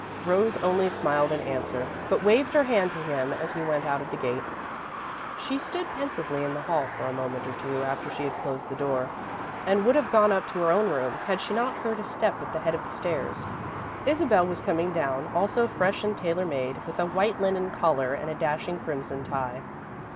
Rose only smiled in answer, but waved her hand to him as he went out of the gate. She stood pensively in the hall for a moment or two after she had closed the door, and would have gone up to her own room had she not heard a step at the head of the stairs. Isabel was coming down, also fresh and tailor made, with a white linen collar and a dashing crimson tie.